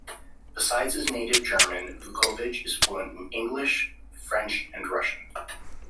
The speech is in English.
Besides his native German Vukovich is fluent in English, French and Russian.